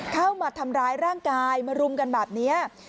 เข้ามาทำร้ายร่างกายมารุมกันแบบนี้